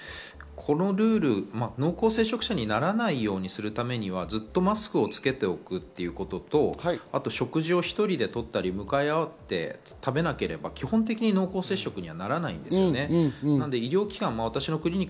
濃厚接触者にならないようにするためには、ずっとマスクをつけておくということと、あと食事を１人でとったり、向かい合って食べなければ基本的に濃厚接触者にはならないんですね。